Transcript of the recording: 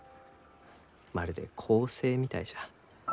まるで恒星みたいじゃ。